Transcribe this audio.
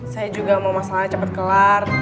saya juga mau masalahnya cepat kelar